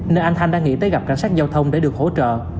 nên anh thanh đang nghĩ tới gặp cảnh sát giao thông để được hỗ trợ